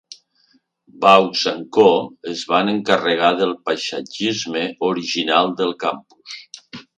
Vaux and Co. es van encarregar del paisatgisme original del campus.